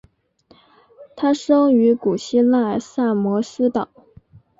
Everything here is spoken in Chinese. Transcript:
他生于古希腊萨摩斯岛。